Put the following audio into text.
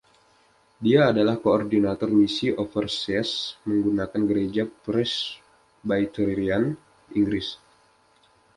Dia adalah koordinator misi Overseas untuk gereja Presbyterian Inggris.